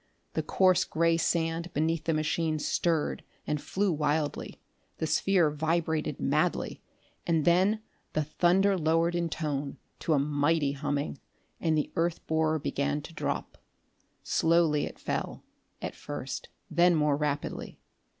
The coarse gray sand beneath the machine stirred and flew wildly; the sphere vibrated madly; and then the thunder lowered in tone to a mighty humming and the earth borer began to drop. Slowly it fell, at first, then more rapidly.